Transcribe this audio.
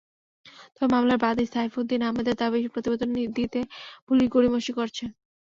তবে মামলার বাদী সাইফুদ্দিন আহমেদের দাবি, প্রতিবেদন দিতে পুলিশ গড়িমসি করছে।